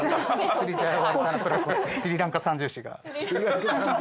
スリランカ三銃士が。